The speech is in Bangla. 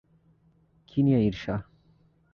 কী নিয়ে ঈর্ষা।